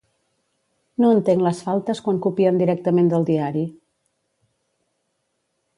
No entenc les faltes quan copien directament del diari